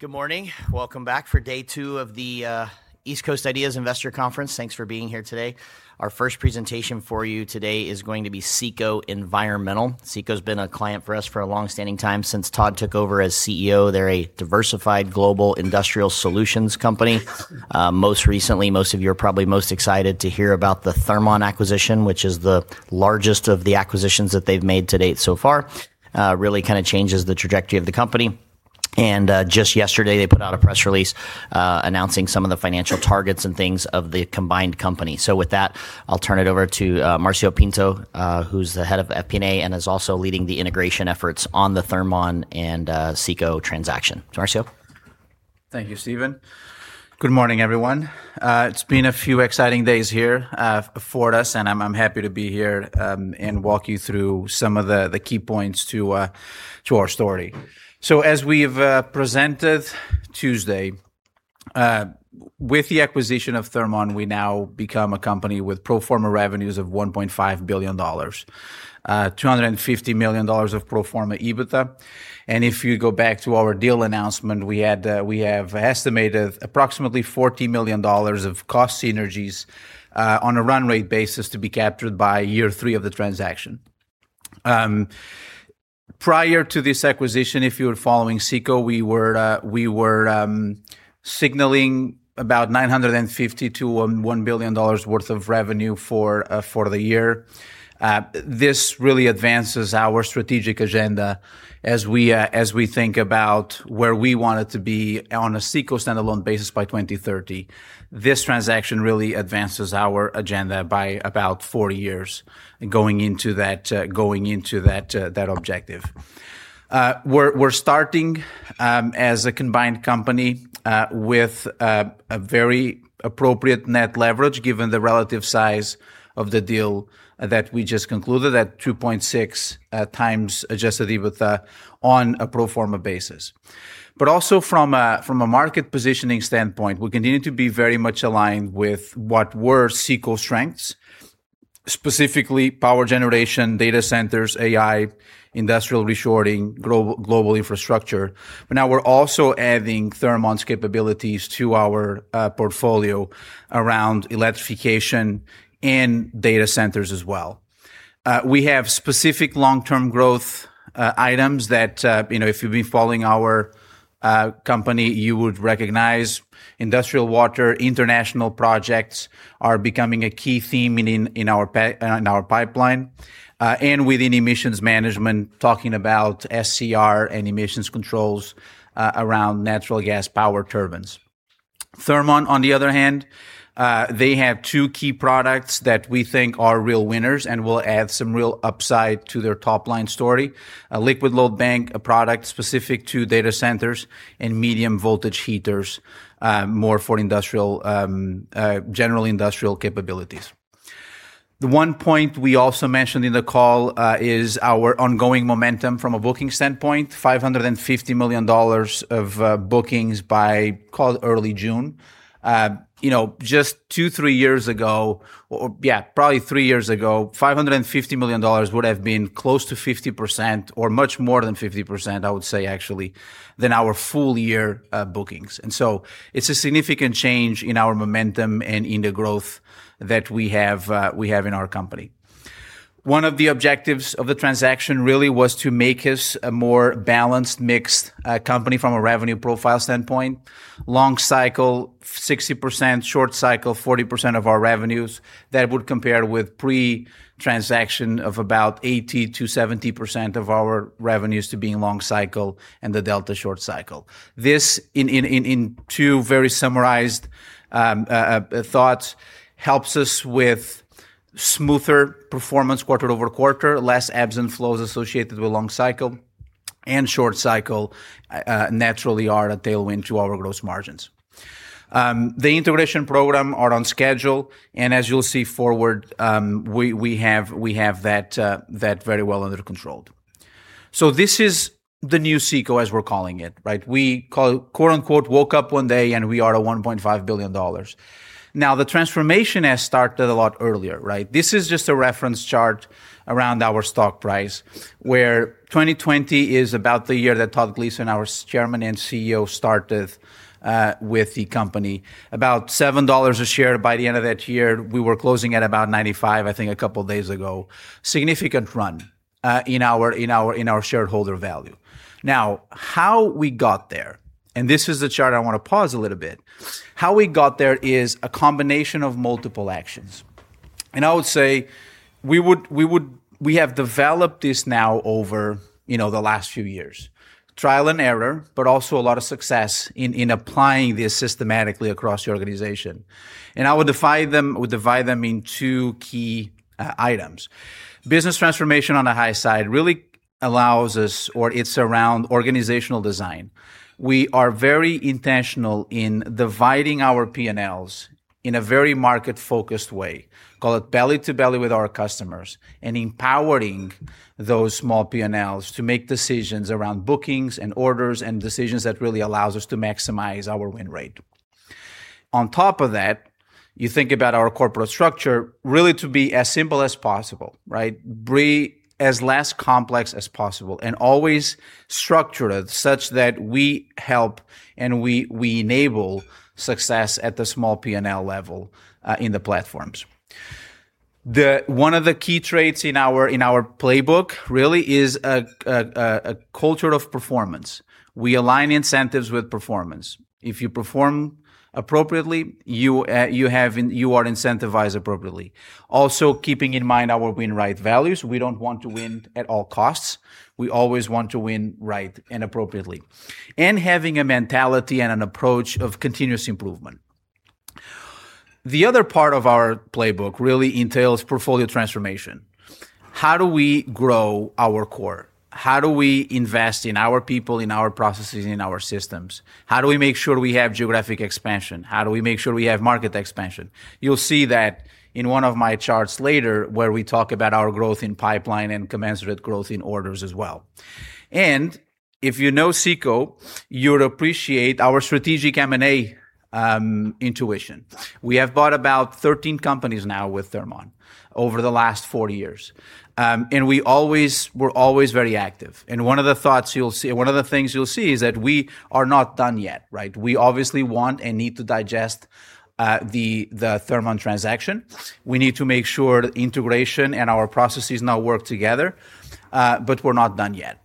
Good morning. Welcome back for day two of the East Coast IDEAS Investor Conference. Thanks for being here today. Our first presentation for you today is going to be CECO Environmental. CECO has been a client for us for a long-standing time since Todd took over as CEO. They are a diversified global industrial solutions company. Most recently, most of you are probably most excited to hear about the Thermon acquisition, which is the largest of the acquisitions that they have made to date so far. It changes the trajectory of the company. Just yesterday, they put out a press release announcing some of the financial targets and things of the combined company. With that, I will turn it over to Marcio Pinto, who is the head of FP&A and is also leading the integration efforts on the Thermon and CECO transaction. Marcio. Thank you, Steven. Good morning, everyone. It has been a few exciting days here for us, and I am happy to be here and walk you through some of the key points to our story. As we have presented Tuesday, with the acquisition of Thermon, we now become a company with pro forma revenues of $1.5 billion, $250 million of pro forma EBITDA. If you go back to our deal announcement, we have estimated approximately $40 million of cost synergies on a run rate basis to be captured by year three of the transaction. Prior to this acquisition, if you were following CECO, we were signaling about $950 million to $1 billion worth of revenue for the year. This advances our strategic agenda as we think about where we wanted to be on a CECO standalone basis by 2030. This transaction advances our agenda by about four years going into that objective. We are starting as a combined company with a very appropriate net leverage given the relative size of the deal that we just concluded at 2.6 times adjusted EBITDA on a pro forma basis. Also from a market positioning standpoint, we continue to be very much aligned with what were CECO's strengths, specifically power generation, data centers, AI, industrial reshoring, global infrastructure. Now we are also adding Thermon's capabilities to our portfolio around electrification and data centers as well. We have specific long-term growth items that, if you have been following our company, you would recognize. Industrial water, international projects are becoming a key theme in our pipeline. Within emissions management, talking about SCR and emissions controls around natural gas power turbines. Thermon, on the other hand, they have two key products that we think are winners and will add some upside to their top-line story. A liquid load bank, a product specific to data centers, and medium voltage heaters, more for general industrial capabilities. The one point we also mentioned in the call is our ongoing momentum from a booking standpoint, $550 million of bookings by early June. Just two, three years ago, or yeah, probably three years ago, $550 million would have been close to 50% or much more than 50%, I would say, than our full-year bookings. It is a significant change in our momentum and in the growth that we have in our company. One of the objectives of the transaction was to make us a more balanced, mixed company from a revenue profile standpoint. Long cycle, 60%, short cycle, 40% of our revenues, that would compare with pre-transaction of about 80%-70% of our revenues to being long cycle and the delta short cycle. This, in two very summarized thoughts, helps us with smoother performance quarter-over-quarter, less ebbs and flows associated with long cycle and short cycle naturally are a tailwind to our gross margins. The integration program is on schedule, and as you'll see forward, we have that very well under control. This is the new CECO, as we're calling it, right? We quote unquote, woke up one day and we are at $1.5 billion. The transformation has started a lot earlier, right? This is just a reference chart around our stock price, where 2020 is about the year that Todd Gleason, our Chairman and CEO, started with the company. About $7 a share by the end of that year. We were closing at about $95, I think a couple of days ago. Significant run in our shareholder value. How we got there, and this is the chart I want to pause a little bit. How we got there is a combination of multiple actions. I would say we have developed this now over the last few years. Trial and error, but also a lot of success in applying this systematically across the organization. I would divide them in two key items. Business transformation on the high side really allows us, or it's around organizational design. We are very intentional in dividing our P&Ls in a very market-focused way. Call it belly to belly with our customers. Empowering those small P&Ls to make decisions around bookings and orders and decisions that really allows us to maximize our win rate. On top of that, you think about our corporate structure really to be as simple as possible. Be as less complex as possible, and always structured such that we help and we enable success at the small P&L level in the platforms. One of the key traits in our playbook really is a culture of performance. We align incentives with performance. If you perform appropriately, you are incentivized appropriately. Also, keeping in mind our win right values. We don't want to win at all costs. We always want to win right and appropriately. Having a mentality and an approach of continuous improvement. The other part of our playbook really entails portfolio transformation. How do we grow our core? How do we invest in our people, in our processes, in our systems? How do we make sure we have geographic expansion? How do we make sure we have market expansion? You'll see that in one of my charts later, where we talk about our growth in pipeline and commensurate growth in orders as well. If you know CECO, you would appreciate our strategic M&A intuition. We have bought about 13 companies now with Thermon over the last four years. We're always very active, and one of the things you'll see is that we are not done yet. We obviously want and need to digest the Thermon transaction. We need to make sure integration and our processes now work together. We're not done yet.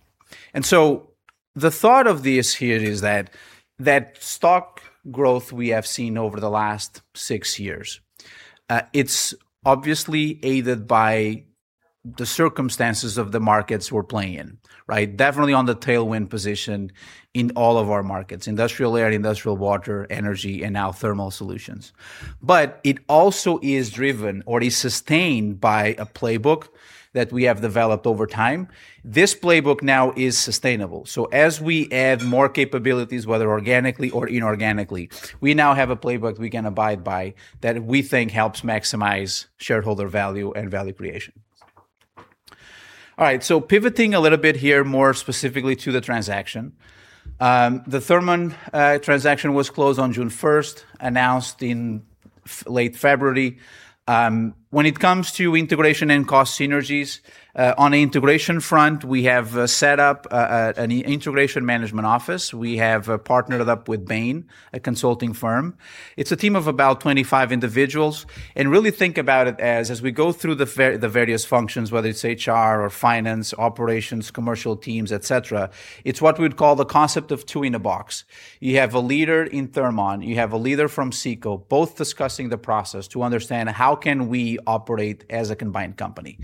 The thought of this here is that stock growth we have seen over the last six years, it's obviously aided by the circumstances of the markets we're playing in. Definitely on the tailwind position in all of our markets, industrial air, industrial water, energy, and now thermal solutions. It also is driven or is sustained by a playbook that we have developed over time. This playbook now is sustainable. As we add more capabilities, whether organically or inorganically, we now have a playbook we can abide by that we think helps maximize shareholder value and value creation. Pivoting a little bit here, more specifically to the transaction. The Thermon transaction was closed on June 1st, announced in late February. When it comes to integration and cost synergies, on the integration front, we have set up an integration management office. We have partnered up with Bain, a consulting firm. It's a team of about 25 individuals. Really think about it as we go through the various functions, whether it's HR or finance, operations, commercial teams, et cetera, it's what we'd call the concept of two in a box. You have a leader in Thermon, you have a leader from CECO, both discussing the process to understand how can we operate as a combined company.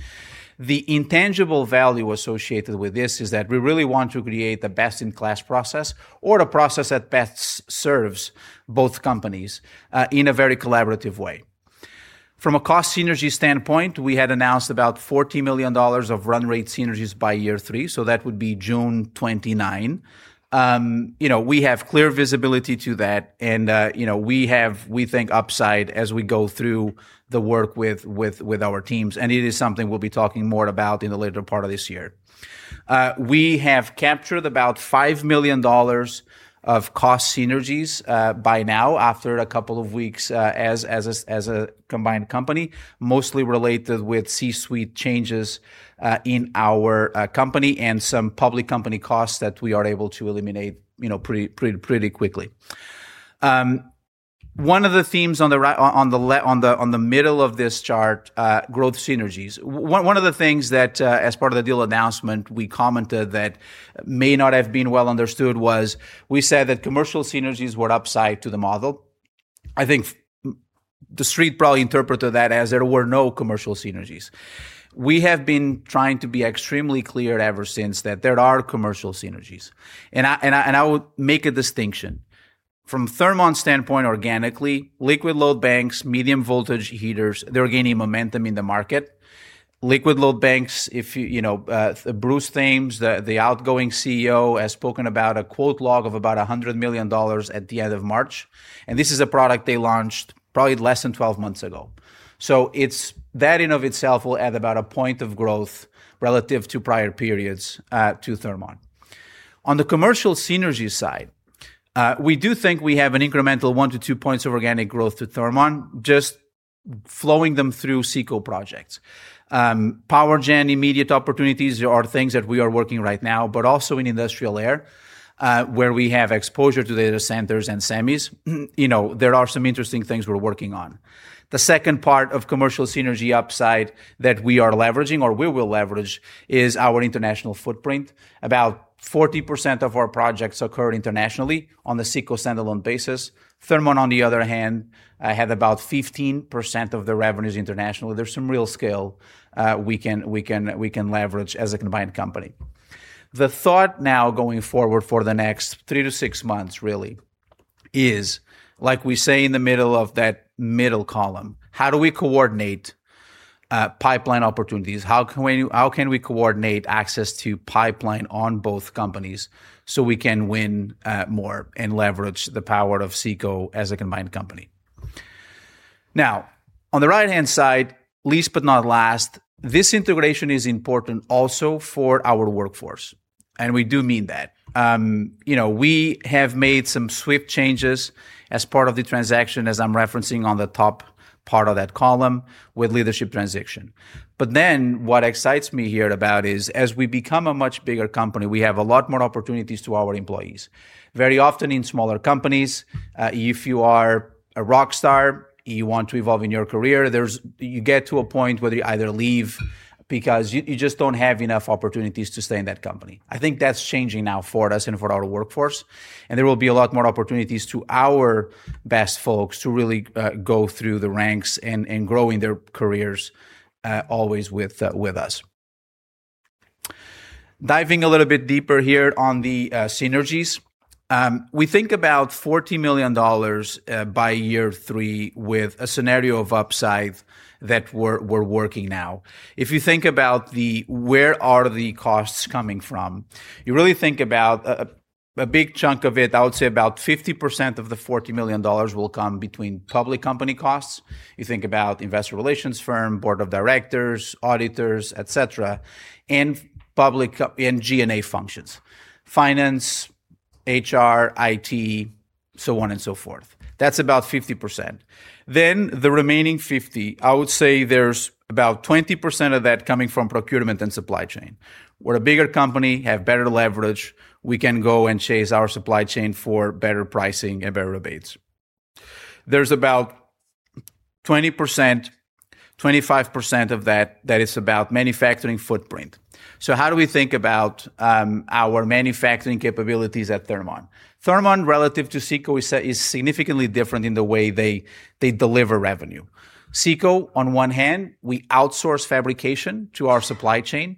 The intangible value associated with this is that we really want to create the best-in-class process or the process that best serves both companies in a very collaborative way. From a cost synergy standpoint, we had announced about $40 million of run rate synergies by year three, so that would be June 29. We have clear visibility to that, and we think upside as we go through the work with our teams, and it is something we'll be talking more about in the later part of this year. We have captured about $5 million of cost synergies by now after a couple of weeks as a combined company, mostly related with C-suite changes in our company and some public company costs that we are able to eliminate pretty quickly. One of the themes on the middle of this chart, growth synergies. One of the things that as part of the deal announcement we commented that may not have been well understood was we said that commercial synergies were upside to the model. I think the Street probably interpreted that as there were no commercial synergies. We have been trying to be extremely clear ever since that there are commercial synergies, and I would make a distinction. From Thermon's standpoint organically, liquid load banks, medium voltage heaters, they're gaining momentum in the market. Liquid load banks, Bruce Thames, the outgoing CEO, has spoken about a quote log of about $100 million at the end of March, and this is a product they launched probably less than 12 months ago. That in and of itself will add about a point of growth relative to prior periods to Thermon. On the commercial synergy side, we do think we have an incremental one to two points of organic growth to Thermon, just flowing them through CECO projects. Power gen immediate opportunities are things that we are working right now, but also in industrial air, where we have exposure to data centers and semis. There are some interesting things we're working on. The second part of commercial synergy upside that we are leveraging, or we will leverage, is our international footprint. About 40% of our projects occur internationally on the CECO standalone basis. Thermon, on the other hand, had about 15% of the revenues internationally. There's some real scale we can leverage as a combined company. The thought now going forward for the next three to six months really is like we say in the middle of that middle column, how do we coordinate pipeline opportunities? How can we coordinate access to pipeline on both companies so we can win more and leverage the power of CECO as a combined company? On the right-hand side, least but not last, this integration is important also for our workforce, and we do mean that. We have made some swift changes as part of the transaction, as I'm referencing on the top part of that column with leadership transition. What excites me here about is as we become a much bigger company, we have a lot more opportunities to our employees. Very often in smaller companies, if you are a rock star, you want to evolve in your career, you get to a point where you either leave because you just don't have enough opportunities to stay in that company. I think that's changing now for us and for our workforce, and there will be a lot more opportunities to our best folks to really go through the ranks and growing their careers always with us. Diving a little bit deeper here on the synergies. We think about $40 million by year three with a scenario of upside that we're working now. If you think about where are the costs coming from, you really think about a big chunk of it, I would say about 50% of the $40 million will come between public company costs. You think about investor relations firm, board of directors, auditors, et cetera, and G&A functions, finance, HR, IT, so on and so forth. That's about 50%. The remaining 50%, I would say there's about 20% of that coming from procurement and supply chain. We're a bigger company, have better leverage. We can go and chase our supply chain for better pricing and better rebates. There's about 20%, 25% of that is about manufacturing footprint. How do we think about our manufacturing capabilities at Thermon? Thermon relative to CECO is significantly different in the way they deliver revenue. CECO, on one hand, we outsource fabrication to our supply chain,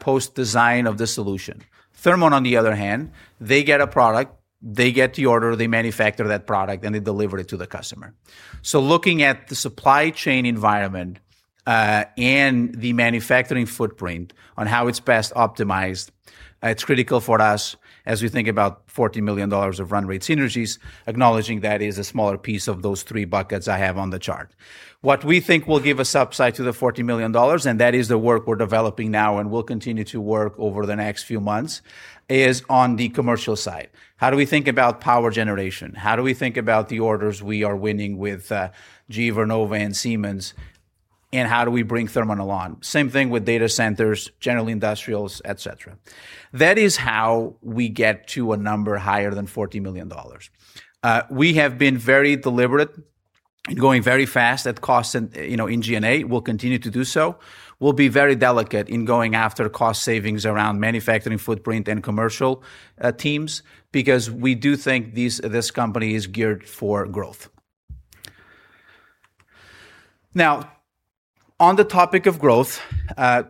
post design of the solution. Thermon, on the other hand, they get a product, they get the order, they manufacture that product, and they deliver it to the customer. Looking at the supply chain environment, and the manufacturing footprint on how it's best optimized, it's critical for us as we think about $40 million of run rate synergies, acknowledging that is a smaller piece of those three buckets I have on the chart. What we think will give us upside to the $40 million, and that is the work we're developing now and will continue to work over the next few months, is on the commercial side. How do we think about power generation? How do we think about the orders we are winning with GE Vernova and Siemens, and how do we bring Thermon along? Same thing with data centers, general industrials, et cetera. That is how we get to a number higher than $40 million. We have been very deliberate in going very fast at cost in G&A. We'll continue to do so. We'll be very delicate in going after cost savings around manufacturing footprint and commercial teams, because we do think this company is geared for growth. On the topic of growth,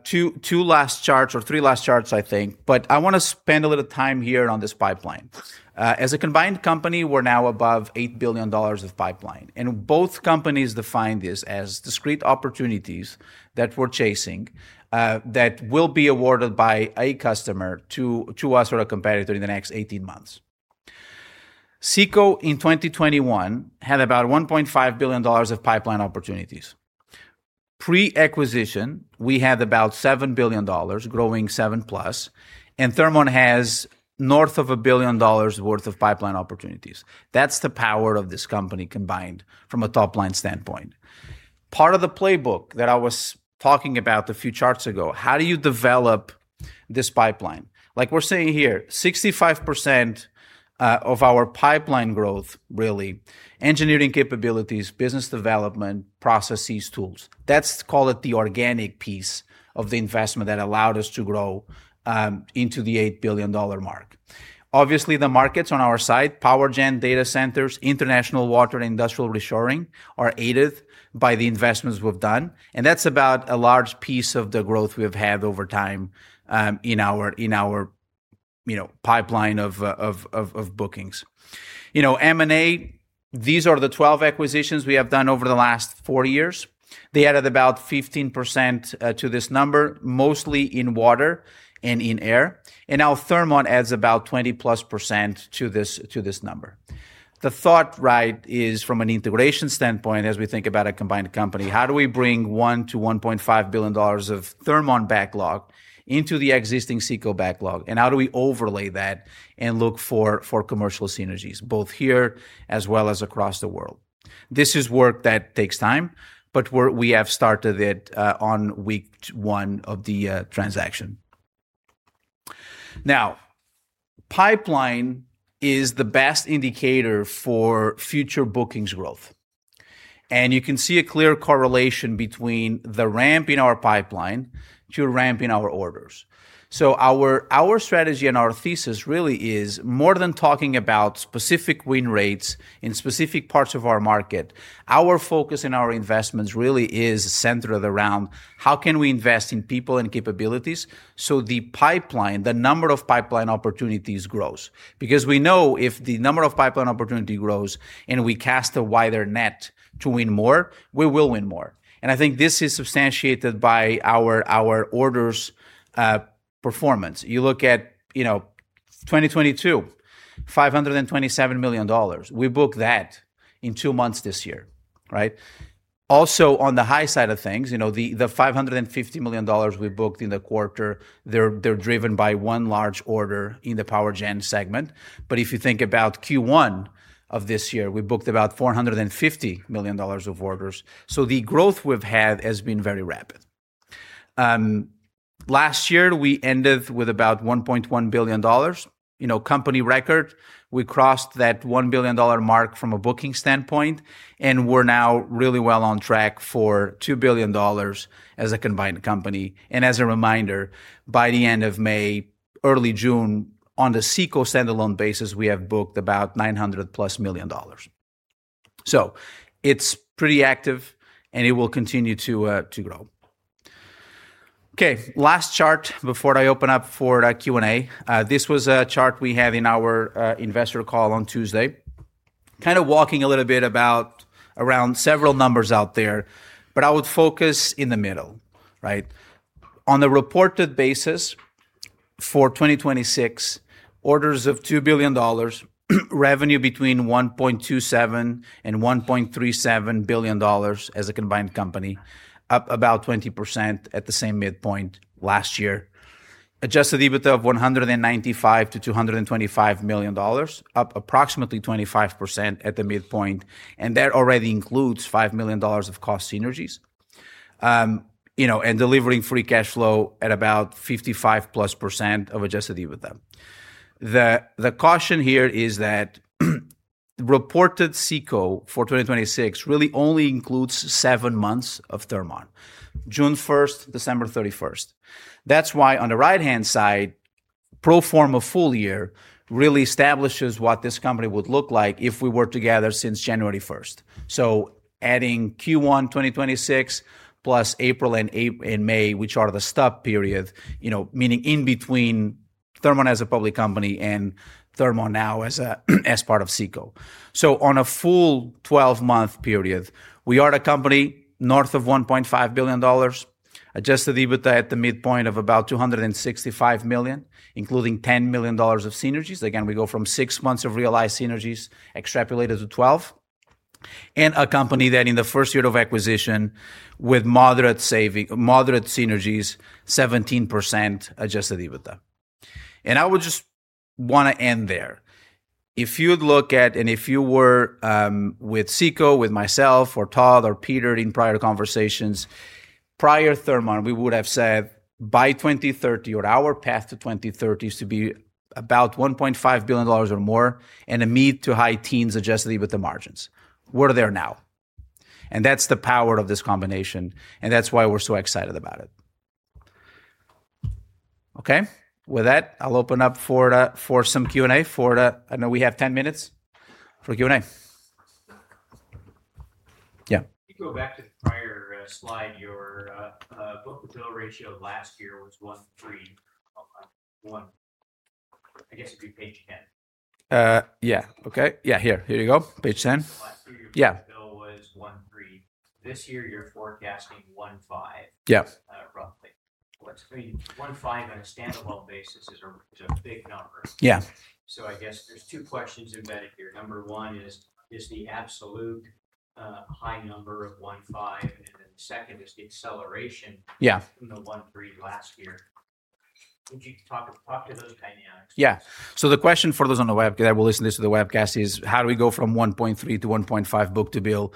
two last charts or three last charts, I think. I want to spend a little time here on this pipeline. As a combined company, we're now above $8 billion of pipeline, and both companies define this as discrete opportunities that we're chasing, that will be awarded by a customer to us or a competitor in the next 18 months. CECO in 2021 had about $1.5 billion of pipeline opportunities. Pre-acquisition, we had about $7 billion, growing $7+ billion, and Thermon has north of $1 billion worth of pipeline opportunities. That's the power of this company combined from a top-line standpoint. Part of the playbook that I was talking about a few charts ago, how do you develop this pipeline? Like we're saying here, 65% of our pipeline growth really, engineering capabilities, business development, processes, tools. Let's call it the organic piece of the investment that allowed us to grow into the $8 billion mark. Obviously, the markets on our side, power gen, data centers, international water, and industrial reshoring, are aided by the investments we've done, and that's about a large piece of the growth we have had over time in our pipeline of bookings. M&A, these are the 12 acquisitions we have done over the last four years. They added about 15% to this number, mostly in water and in air, and now Thermon adds about 20%+ to this number. The thought is from an integration standpoint, as we think about a combined company, how do we bring $1 billion-$1.5 billion of Thermon backlog into the existing CECO backlog? How do we overlay that and look for commercial synergies, both here as well as across the world? This is work that takes time, but we have started it on week one of the transaction. Pipeline is the best indicator for future bookings growth. You can see a clear correlation between the ramp in our pipeline to ramp in our orders. Our strategy and our thesis really is more than talking about specific win rates in specific parts of our market. Our focus and our investments really is centered around how can we invest in people and capabilities, the pipeline, the number of pipeline opportunities grows. We know if the number of pipeline opportunity grows and we cast a wider net to win more, we will win more. I think this is substantiated by our orders performance. You look at 2022, $527 million. We booked that in two months this year. On the high side of things, the $550 million we booked in the quarter, they're driven by one large order in the power gen segment. If you think about Q1 of this year, we booked about $450 million of orders. The growth we've had has been very rapid. Last year, we ended with about $1.1 billion, company record. We crossed that $1 billion mark from a booking standpoint, we're now really well on track for $2 billion as a combined company. As a reminder, by the end of May, early June, on the CECO standalone basis, we have booked about $900 million plus. It's pretty active and it will continue to grow. Okay. Last chart before I open up for Q&A. This was a chart we had in our investor call on Tuesday, walking a little bit around several numbers out there, but I would focus in the middle. On the reported basis for 2026, orders of $2 billion, revenue between $1.27 billion and $1.37 billion as a combined company, up about 20% at the same midpoint last year. Adjusted EBITDA of $195 million-$225 million, up approximately 25% at the midpoint, that already includes $5 million of cost synergies, delivering free cash flow at about 55% plus of adjusted EBITDA. The caution here is that reported CECO for 2026 really only includes seven months of Thermon. June 1st, December 31st. That's why on the right-hand side, pro forma full year really establishes what this company would look like if we were together since January 1st. Adding Q1 2026, plus April and May, which are the stub period, meaning in between Thermon as a public company and Thermon now as part of CECO. On a full 12-month period, we are a company north of $1.5 billion, adjusted EBITDA at the midpoint of about $265 million, including $10 million of synergies. Again, we go from six months of realized synergies extrapolated to 12. A company that in the first year of acquisition with moderate synergies, 17% adjusted EBITDA. I would just want to end there. If you'd look at, if you were with CECO, with myself or Todd or Peter in prior conversations, prior Thermon, we would have said by 2030, or our path to 2030 is to be about $1.5 billion or more, a mid to high teens adjusted EBITDA margins. We're there now. That's the power of this combination, that's why we're so excited about it. Okay. With that, I'll open up for some Q&A. I know we have 10 minutes for Q&A. Yeah. If you go back to the prior slide, your book-to-bill ratio last year was one three. I guess it'd be page 10. Yeah. Okay. Yeah, here. Here you go. Page 10. Last year, your book-to-bill Yeah was 1.3x. This year, you're forecasting 1.5x. Yeah. Roughly. 1.5x on a standalone basis is a big number. Yeah. I guess there's two questions embedded here. Number one is the absolute high number of 1.5, and then the second is the acceleration Yeah. from the 1.3x last year. Could you talk to those dynamics? The question for those on the web that will listen to the webcast is how do we go from 1.3x to 1.5x book-to-bill,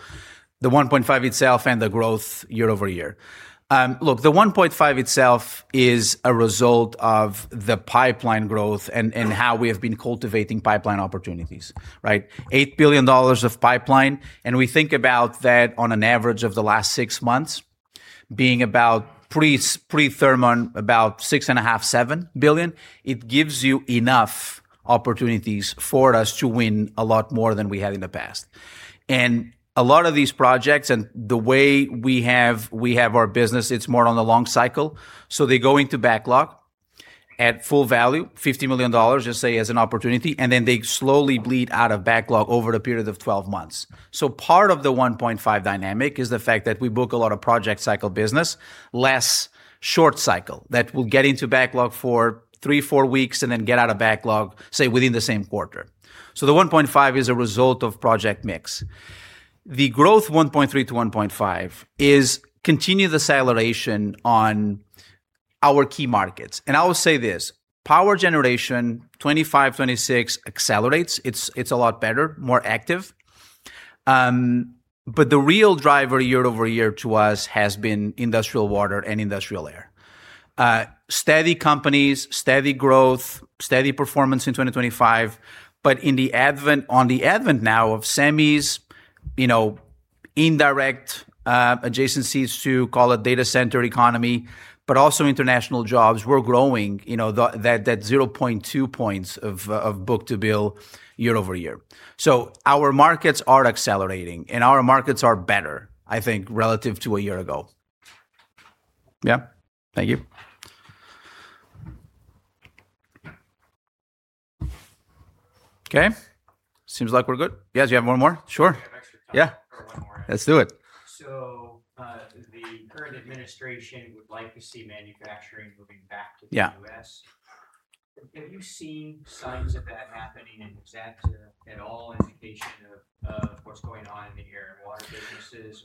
the 1.5x itself, and the growth year-over-year. Look, the 1.5x itself is a result of the pipeline growth and how we have been cultivating pipeline opportunities. $8 billion of pipeline, and we think about that on an average of the last six months being about pre-Thermon, about $6.5 billion-$7 billion. It gives you enough opportunities for us to win a lot more than we had in the past. A lot of these projects and the way we have our business, it's more on the long cycle, so they go into backlog at full value, $50 million, just say, as an opportunity, and then they slowly bleed out of backlog over the period of 12 months. Part of the 1.5x dynamic is the fact that we book a lot of project cycle business, less short cycle that will get into backlog for three, four weeks, and then get out of backlog, say, within the same quarter. The 1.5x is a result of project mix. The growth 1.3x to 1.5x is continued acceleration on our key markets. I will say this, power generation 2025, 2026 accelerates. It's a lot better, more active. The real driver year-over-year to us has been industrial water and industrial air. Steady companies, steady growth, steady performance in 2025, but on the advent now of semis, indirect adjacencies to call it data center economy, but also international jobs, we're growing that 0.2 points of book-to-bill year-over-year. Our markets are accelerating, and our markets are better, I think, relative to a year ago. Thank you. Okay. Seems like we're good. Yes, you have one more? Sure. We have extra time- Yeah for one more. Let's do it. Administration would like to see manufacturing moving back to the U.S. Yeah. Have you seen signs of that happening, and is that at all indication of what's going on in the air and water businesses?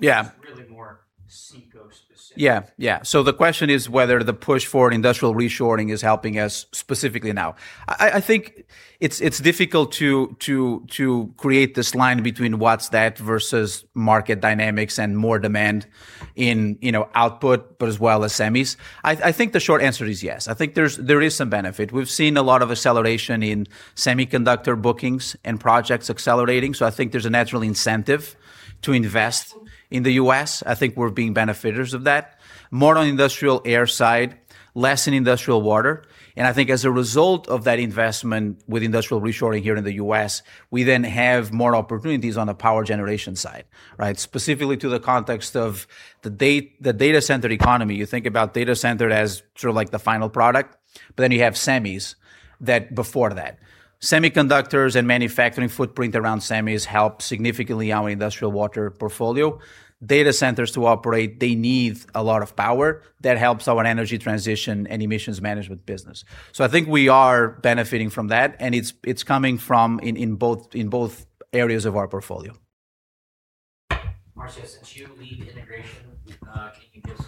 Yeah Just really more CECO specific? Yeah. The question is whether the push for industrial reshoring is helping us specifically now. I think it's difficult to create this line between what's that versus market dynamics and more demand in output, but as well as semis. I think the short answer is yes. I think there is some benefit. We've seen a lot of acceleration in semiconductor bookings and projects accelerating. I think there's a natural incentive to invest in the U.S. I think we're being benefiters of that. More on industrial air side, less in industrial water, and I think as a result of that investment with industrial reshoring here in the U.S., we then have more opportunities on the power generation side. Specifically to the context of the data center economy. You think about data center as sort of like the final product, you have semis before that. Semiconductors and manufacturing footprint around semis help significantly our industrial water portfolio. Data centers to operate, they need a lot of power. That helps our energy transition and emissions management business. I think we are benefiting from that, and it's coming from in both areas of our portfolio. Marcio, since you lead integration, can you give some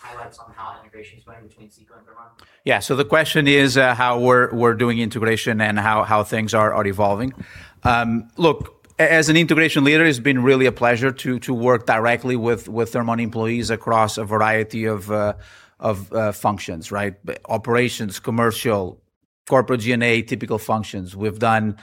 highlights on how integration's going between CECO and Thermon? The question is how we're doing integration and how things are evolving. As an integration leader, it's been really a pleasure to work directly with Thermon employees across a variety of functions. Operations, commercial, corporate G&A, typical functions. We've done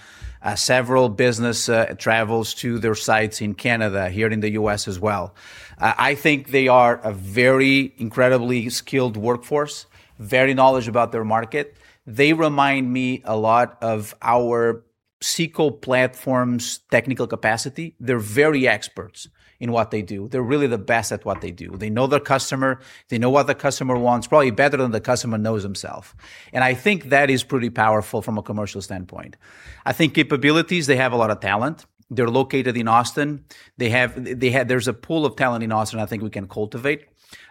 several business travels to their sites in Canada, here in the U.S. as well. I think they are a very incredibly skilled workforce, very knowledgeable about their market. They remind me a lot of our CECO platform's technical capacity. They're very experts in what they do. They're really the best at what they do. They know their customer. They know what the customer wants probably better than the customer knows himself. I think that is pretty powerful from a commercial standpoint. I think capabilities, they have a lot of talent. They're located in Austin. There's a pool of talent in Austin I think we can cultivate.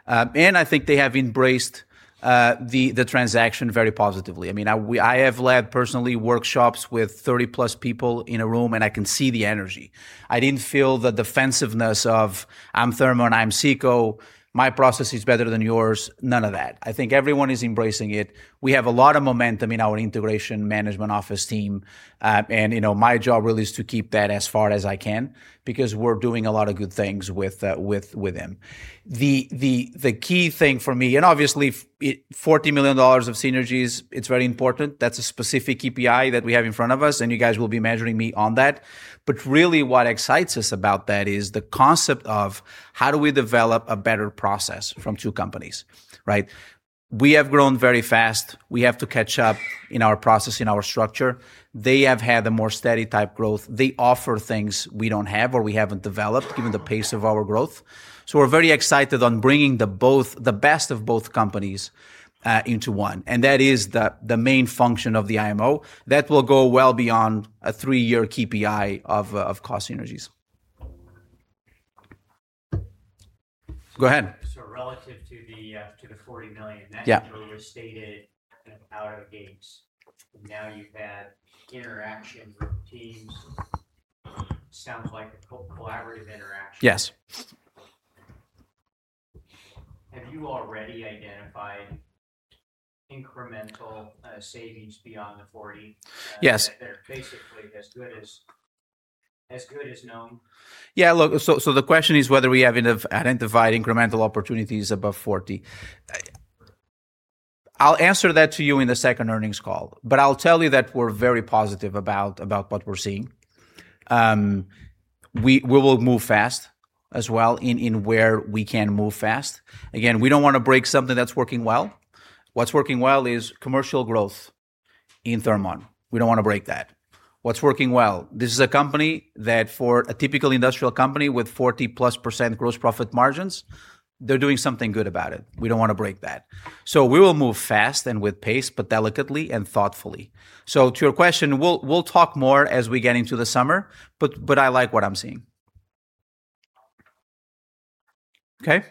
I think they have embraced the transaction very positively. I have led personally workshops with 30 plus people in a room, and I can see the energy. I didn't feel the defensiveness of, "I'm Thermon, I'm CECO. My process is better than yours." None of that. I think everyone is embracing it. We have a lot of momentum in our integration management office team. My job really is to keep that as far as I can because we're doing a lot of good things with them. The key thing for me, and obviously $40 million of synergies, it's very important. That's a specific KPI that we have in front of us, and you guys will be measuring me on that. Really what excites us about that is the concept of how do we develop a better process from two companies? We have grown very fast. We have to catch up in our process, in our structure. They have had a more steady type growth. They offer things we don't have or we haven't developed given the pace of our growth. We're very excited on bringing the best of both companies into one, and that is the main function of the IMO. That will go well beyond a three-year KPI of cost synergies. Go ahead. Relative to the $40 million. Yeah That number was stated out of gates. Now you've had interactions with teams. Sounds like a collaborative interaction. Yes. Have you already identified incremental savings beyond the $40? Yes. That are basically as good as known? Yeah, look, the question is whether we have identified incremental opportunities above 40%. I'll answer that to you in the second earnings call. I'll tell you that we're very positive about what we're seeing. We will move fast as well in where we can move fast. Again, we don't want to break something that's working well. What's working well is commercial growth in Thermon. We don't want to break that. What's working well? This is a company that for a typical industrial company with 40%+ gross profit margins, they're doing something good about it. We don't want to break that. We will move fast and with pace, delicately and thoughtfully. To your question, we'll talk more as we get into the summer. I like what I'm seeing. Okay.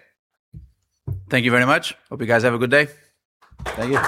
Thank you very much. Hope you guys have a good day. Thank you.